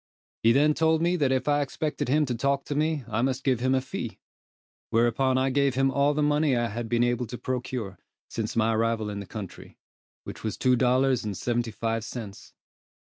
He then told me that if I expected him to talk to me, I must give him a fee; whereupon I gave him all the money I had been able to procure, since my arrival in the country, which was two dollars and seventy five cents.